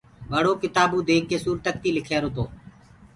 ٻڙو ڪتآبوُ ديک ڪي سورتڪتيٚ لک ريهرو تو